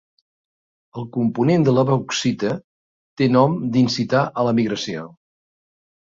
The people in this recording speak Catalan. El component de la bauxita que té nom d'incitar a l'emigració.